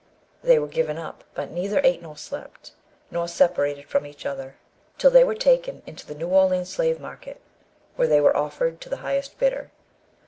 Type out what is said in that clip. They were given up, but neither ate nor slept, nor separated from each other, till they were taken into the New Orleans slave market, where they were offered to the highest bidder.